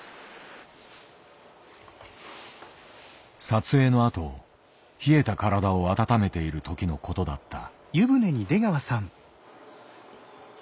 撮影のあと冷えた体を温めている時のことだった。